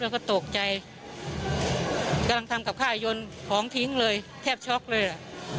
แล้วก็ตกใจกำลังทำกับข้าวยนต์ของทิ้งเลยแทบช็อกเลยอ่ะ